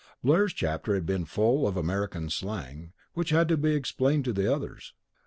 Blair's chapter had been full of American slang which had to be explained to the others.